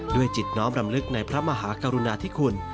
จิตน้อมรำลึกในพระมหากรุณาธิคุณ